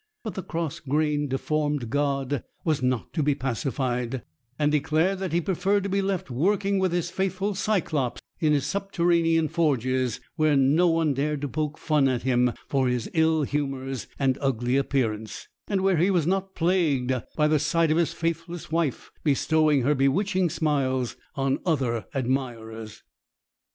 But the cross grained, deformed god was not to be pacified, and declared that he preferred to be left working with his faithful Cyclops in his subterranean forges, where no one dared to poke fun at him for his ill humours and ugly appearance, and where he was not plagued by the sight of his faithless wife bestowing her bewitching smiles on other admirers.